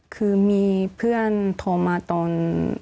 คือมีเพื่อนโทรมาตอน